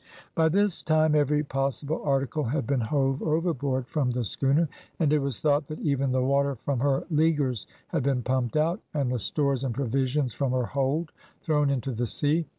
By this time every possible article had been hove overboard from the schooner, and it was thought that even the water from her leaguers had been pumped out, and the stores and provisions from her hold thrown into the sea.